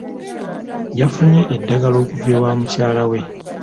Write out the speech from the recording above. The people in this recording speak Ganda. Yafunye eddagala okuva ewa mukyala we.